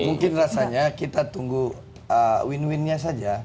mungkin rasanya kita tunggu win winnya saja